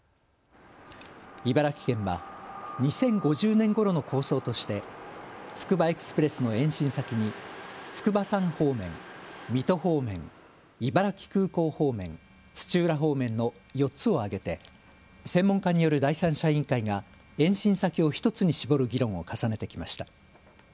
茨城県は２０５０年ごろの構想としてつくばエクスプレスの延伸先に筑波山方面、水戸方面、茨城空港方面、土浦方面の４つを挙げて専門家による第三者委員会が延伸先を１つに絞る議論を重ねてきました。